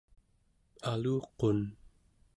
aluqun